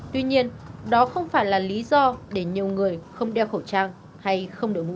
tuy nhiên đó không phải là lý do để nhiều người không đeo khẩu trang hay không đội mũ bảo hiểm